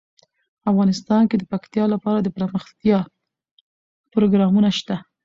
افغانستان کې د پکتیا لپاره دپرمختیا پروګرامونه شته.